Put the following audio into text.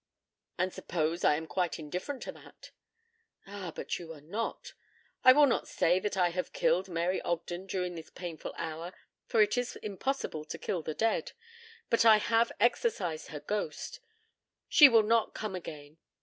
"And suppose I am quite indifferent to that?" "Ah, but you are not. I will not say that I have killed Mary Ogden during this painful hour, for it is impossible to kill the dead, but I have exorcised her ghost. She will not come again.